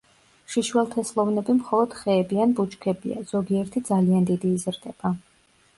შიშველთესლოვნები მხოლოდ ხეები ან ბუჩქებია, ზოგიერთი ძალიან დიდი იზრდება.